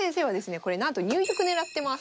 これなんと入玉狙ってます。